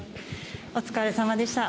お疲れさまでした。